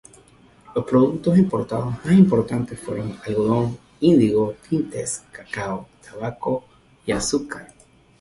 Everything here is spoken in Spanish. Los productos importados más importantes fueron algodón, índigo, tintes, cacao, tabaco y azúcar.